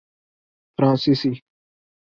فرانسیسی